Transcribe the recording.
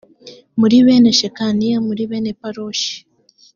muri bene shekaniya muri bene paroshi